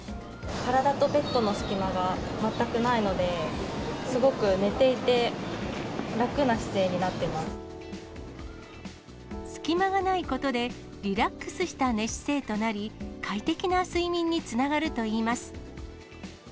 体とベッドの隙間が全くないので、すごく寝ていて楽な姿勢に隙間がないことで、リラックスした寝姿勢となり、快適な睡眠につながるといいます。